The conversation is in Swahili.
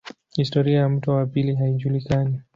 Historia ya mto wa pili haijulikani.